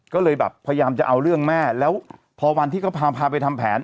ก็เลยแบบพยายามจะเอาเรื่องแม่แล้วพอวันที่เขาพาไปทำแผน